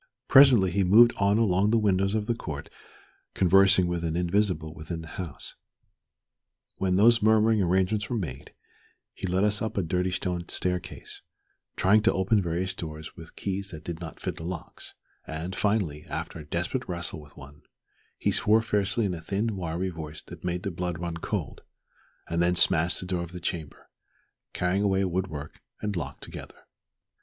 Presently he moved on along the windows of the court conversing with an invisible within the house. When those murmuring arrangements were made, he led us up a dirty stone staircase, trying to open various doors with keys that did not fit the locks; and finally, after a desperate wrestle with one, he swore fiercely in a thin, wiry voice that made the blood run cold, and then smashed the door of the chamber, carrying away wood work and lock together.